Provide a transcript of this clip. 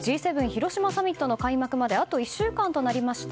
広島サミットの開幕まであと１週間となりました。